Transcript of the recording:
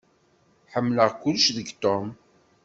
Ḥemmleɣ kullec deg Tom.